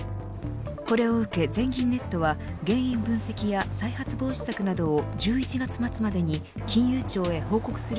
これを受け、全銀ネットは原因分析や再発防止策などを１１月末までに金融庁へ報告する